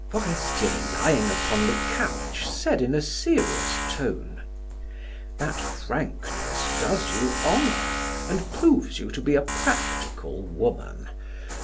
Forestier, lying upon the couch, said in serious tone: "That frankness does you honor and proves you to be a practical woman.